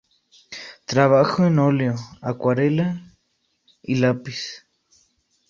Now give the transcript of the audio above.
Trabajó en óleo, acuarela y lápiz.